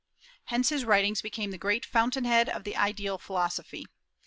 Hence his writings became the great fountain head of the Ideal philosophy.